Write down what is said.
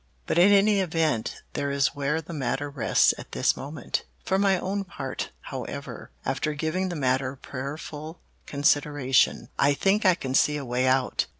But in any event there is where the matter rests at this moment. "For my own part, however, after giving the matter prayerful consideration, I think I can see a way out.